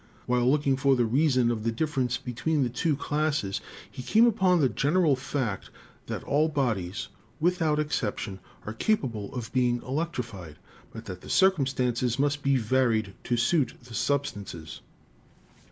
While looking for the reason of the difference between the two classes he came upon the general fact that all bodies, without exception, are capable of being electrified, but that the circumstances must be varied to suit the sub stances.